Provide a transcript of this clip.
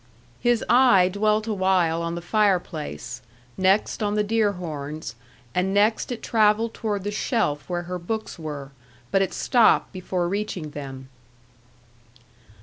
His eye dwelt awhile on the fireplace, next on the deer horns, and next it travelled toward the shelf where her books were; but it stopped before reaching them.